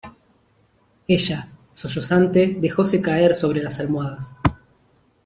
ella, sollozante , dejóse caer sobre las almohadas: